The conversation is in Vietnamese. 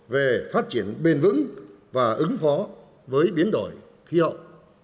về phát triển bền vững và ứng phó với biến đổi khí hậu